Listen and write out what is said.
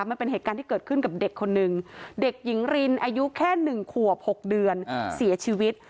มันเป็นเหตุการณ์ที่เกิดขึ้นกับเด็กคนนึงเด็กหญิงรินอายุแค่๑ขวบ๖เดือนเสียชีวิต